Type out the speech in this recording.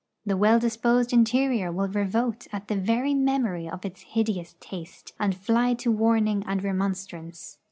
The well disposed interior will revolt at the very memory of its hideous taste, and fly to warning and remonstrance.